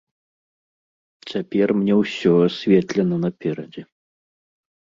Цяпер мне ўсё асветлена наперадзе.